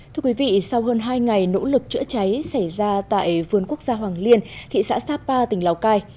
thưa quý vị sau hơn hai ngày nỗ lực chữa cháy xảy ra tại vườn quốc gia hoàng liên thị xã sapa tỉnh lào cai